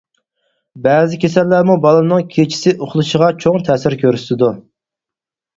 بەزى كېسەللەرمۇ بالىنىڭ كېچىسى ئۇخلىشىغا چوڭ تەسىر كۆرسىتىدۇ.